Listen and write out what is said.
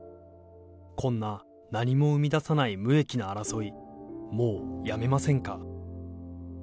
こんな何も生み出さない無益な争い、もうやめませんか。